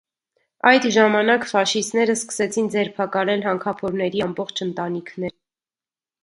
Այդ ժամանակ ֆաշիստները սկսեցին ձերբակալել հանքափորների ամբողջ ընտանիքներ։